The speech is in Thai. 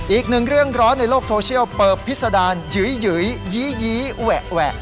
อีกหนึ่งเรื่องร้อนในโลกโซเชียลเปิดพิษดารหยุยยีแหวะแหวะ